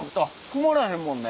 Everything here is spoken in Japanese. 曇らへんもんね。